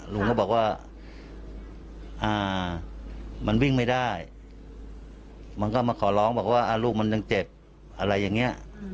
ลุงก็บอกว่ามันวิ่งไม่ได้มันก็มาขอร้องบอกว่าลูกมันยังเจ็บอะไรอย่างนี้